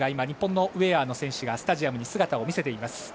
日本のウエアの選手がスタジアムに姿を見せました。